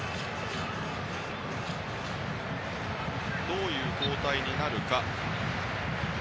どういう交代になるか。